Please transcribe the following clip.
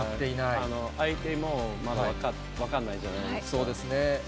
相手も、まだ分からないじゃないですか。